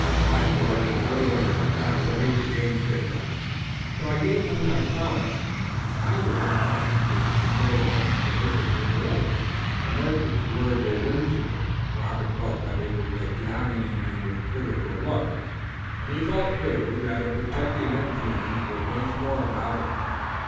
Wise words and true, and it was not for me to gainsay them. So I gave him my promise that I would not march with this brave expedition to the lakes." The merchant's words were whimsical, but Robert felt that he was examining him with critical looks, and he felt, too, that a protecting influence was once more about him.